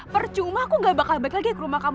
percuma aku gak bakal balik lagi ke rumah kamu